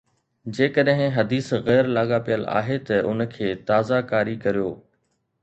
جيڪڏهن حديث غير لاڳاپيل آهي ته ان کي تازه ڪاري ڪريو